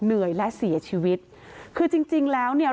เหนื่อยและเสียชีวิตคือจริงจริงแล้วเนี่ย